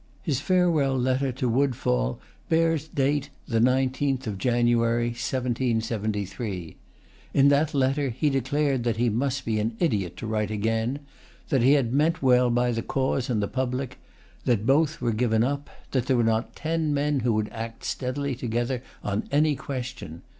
His farewell letter to Woodfall bears date the nineteenth of January, 1773. In that letter, he declared that he must be an idiot to write again; that he had meant well by the cause and the public; that both were given up; that there were not ten men who would act steadily together on any question.